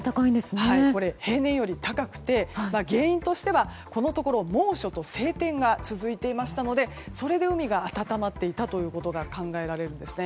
これ、平年より高くて原因としてはこのところ猛暑と晴天が続いていましたのでそれで海が暖まっていたことが考えれます。